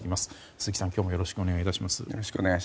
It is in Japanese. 鈴木さん、今日もよろしくお願いいたします。